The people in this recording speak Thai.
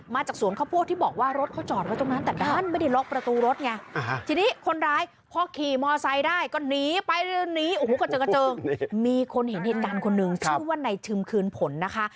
มีโอ้โหกระเจิงมีคนเห็นเห็นกันคนหนึ่งชื่อว่าในทึมคืนผลนะคะ